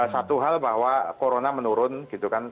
satu hal bahwa corona menurun gitu kan